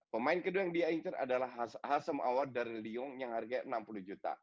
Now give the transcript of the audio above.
pemain kedua yang diincet adalah haasem aouar dari lyon yang harganya enam puluh juta